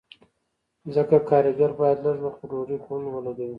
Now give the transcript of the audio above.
ځکه کارګر باید لږ وخت په ډوډۍ خوړلو ولګوي